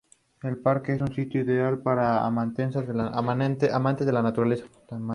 El parque es un sitio ideal para los amantes de la naturaleza.